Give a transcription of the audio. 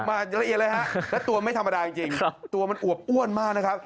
ละเอียดเลยฮะและตัวไม่ธรรมดาจริงตัวมันอวบอ้วนมากนะครับ